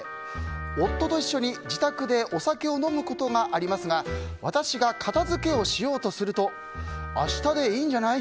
夫と一緒に自宅でお酒を飲むことがありますが私が片付けをしようとすると明日でいいんじゃない？